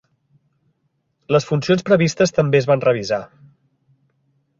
Les funcions previstes també es van revisar.